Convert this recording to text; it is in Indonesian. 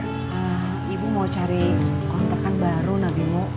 ehm ibu mau cari kontrakan baru nabi mo